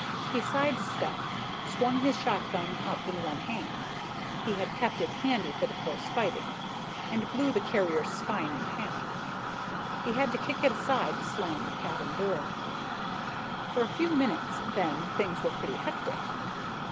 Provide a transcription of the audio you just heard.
He sidestepped, swung his shotgun up in one hand he had kept it handy for the close fighting and blew the carrier's spine in half. He had to kick it aside to slam the cabin door. For a few minutes, then, things were pretty hectic.